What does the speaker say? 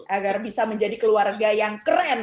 agar bisa menjadi keluarga yang keren